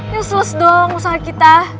ya seles dong usaha kita